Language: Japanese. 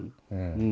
うん。